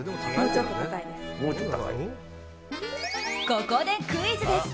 ここでクイズです。